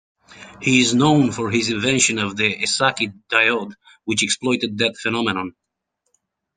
He is known for his invention of the Esaki diode, which exploited that phenomenon.